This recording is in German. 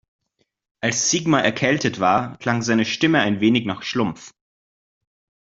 Als Sigmar erkältet war, klang seine Stimme ein wenig nach Schlumpf.